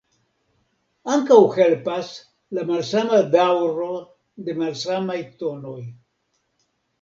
Ankaŭ helpas la malsama daŭro de malsamaj tonoj.